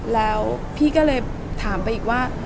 แล้วพี่ก็เลยถามไปอีกว่า